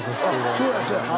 そうやそうや。